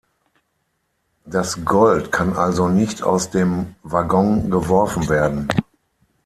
Das Gold kann also nicht aus dem Waggon geworfen werden.